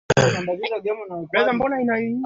na waziri mkuu beji sadi ebesi